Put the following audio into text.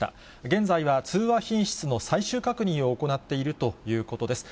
現在は通話品質の最終確認を行っているということです。